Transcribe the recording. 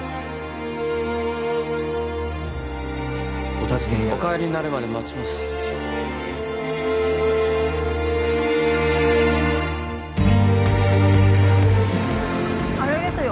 お尋ねにお帰りになるまで待ちますあれですよ